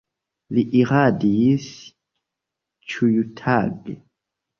Li iradis ĉiutage.